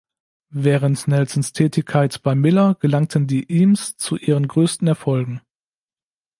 Während Nelsons Tätigkeit bei Miller gelangten die Eames zu ihren größten Erfolgen.